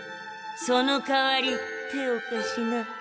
そのかわり手を貸しな。